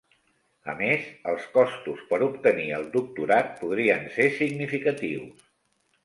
A més, els costos per obtenir el doctorat podrien ser significatius.